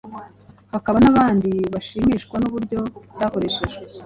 hakaba n’abandi bashimishwa n’uburyo cyakoreshejwe